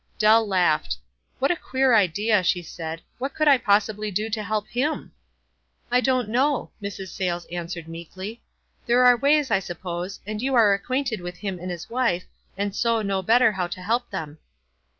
Doll laughc a. "What a queer idea," she said. "What could I possibly do to help him?" WISE AND OTHEIIWISE. 69 "I don't know," Mrs. Sayles answered meek ly. "There are ways, I suppose; and you are acquainted with him and his wife, and so know better how to help them."